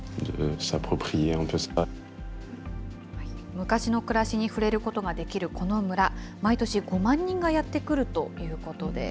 昔の暮らしに触れることができるこの村、毎年５万人がやって来るということです。